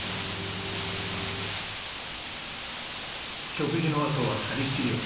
食事のあとははり治療。